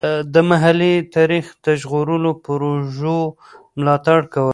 د محلي تاریخ د ژغورلو پروژو ملاتړ کول.